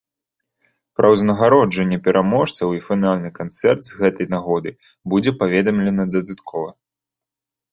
Пра ўзнагароджанне пераможцаў і фінальны канцэрт з гэтай нагоды будзе паведамлена дадаткова.